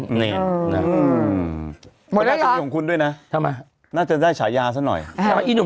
อืมหมดได้หรอของคุณด้วยนะทำไมน่าจะได้ฉายาซะหน่อยอีหนุ่ม